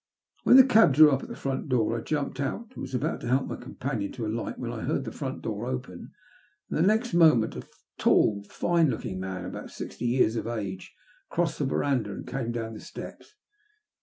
When the cab drew up at the front door I jumped out, and was about to help my companion to alight when I heard the front door open, and next moment a tall, fine looking man, about sixty years of age, crossed the verandah and came down the steps.